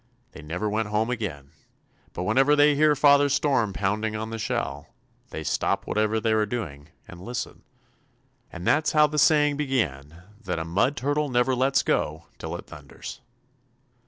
They never went home again, but whenever they hear Father Storm pounding on the shell, they stop whatever they are doing and listen. And that's how the saying began that 'a Mud Turtle never lets go till it thunders.'"